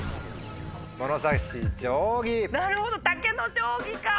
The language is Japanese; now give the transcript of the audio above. なるほど竹の定規か！